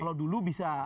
kalau dulu bisa